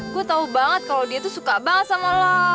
gue tau banget kalau dia tuh suka banget sama lo